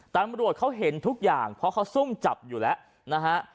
ตำรวจเขาเห็นทุกอย่างเพราะเขาซุ่มจับอยู่แล้วนะฮะ